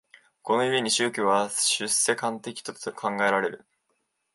この故に宗教は出世間的と考えられる。